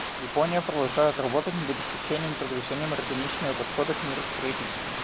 Япония продолжает работать над обеспечением и продвижением органичного подхода к миростроительству.